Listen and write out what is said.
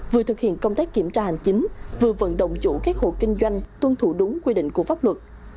vừa thực hiện công tác kiểm tra hành chính vừa vận động chủ các hộ kinh doanh tuân thủ đúng quy định của pháp luật